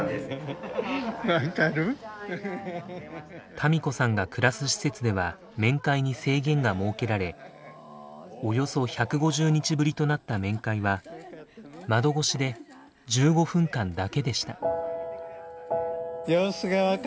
多美子さんが暮らす施設では面会に制限が設けられおよそ１５０日ぶりとなった面会は窓越しで１５分間だけでした。